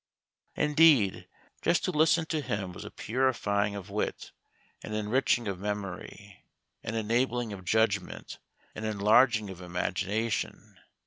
Indeed, just to listen to him was a purifying of wit, an enriching of memory, an enabling of judgment, an enlarging of imagination.